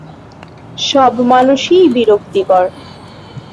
সব মানুষই বিরক্তিকর।